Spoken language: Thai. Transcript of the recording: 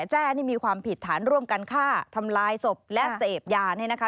แจ้นี่มีความผิดฐานร่วมกันฆ่าทำลายศพและเสพยานี่นะคะ